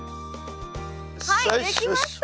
はい出来ました！